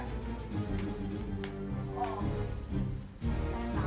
gak tau ya